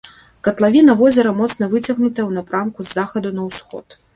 Катлавіна возера моцна выцягнутая ў напрамку з захаду на ўсход.